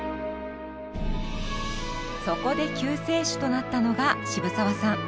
そこで救世主となったのが渋沢さん。